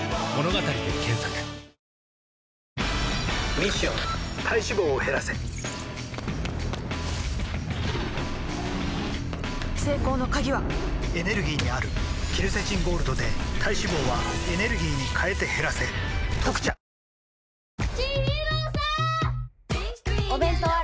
ミッション体脂肪を減らせ成功の鍵はエネルギーにあるケルセチンゴールドで体脂肪はエネルギーに変えて減らせ「特茶」［日本一に輝くのは？］